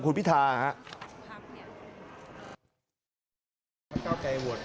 กับคุณพิธาครับ